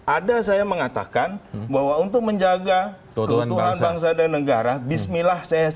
ada saya mengatakan bahwa untuk menjaga keutuhan bangsa dan negara bismillah